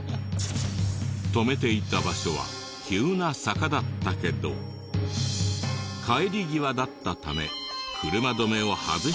止めていた場所は急な坂だったけど帰り際だったため車止めを外したままに。